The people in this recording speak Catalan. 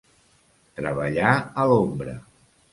Treballar a l'ombra.